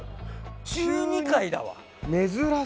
中２階だわ。